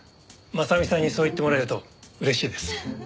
真実さんにそう言ってもらえると嬉しいです。